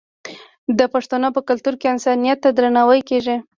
د پښتنو په کلتور کې انسانیت ته درناوی کیږي.